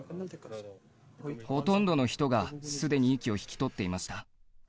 ほとんどの人がすでに息を引き取っていました。